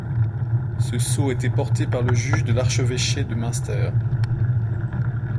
Ce sceau a été porté par le juge de l'archevêché de Münster.